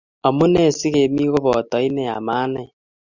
Amune si kemii ko poto ine ama ane